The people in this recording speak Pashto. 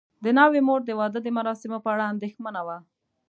د ناوې مور د واده د مراسمو په اړه اندېښمنه وه.